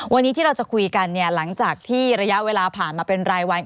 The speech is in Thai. วันนี้ที่เราจะคุยกันเนี่ยหลังจากที่ระยะเวลาผ่านมาเป็นรายวัน